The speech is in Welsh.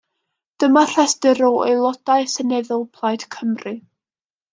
Dyma restr o Aelodau Seneddol Plaid Cymru.